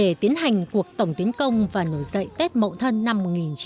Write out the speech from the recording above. để tiến hành cuộc tổng tiến công và nổi dậy tết mậu thân năm một nghìn chín trăm bảy mươi